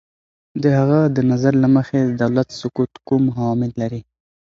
د هغه د نظر له مخې، د دولت سقوط کوم عوامل لري؟